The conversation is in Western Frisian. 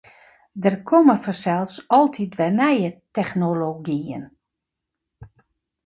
Der komme fansels altyd wer nije technologyen.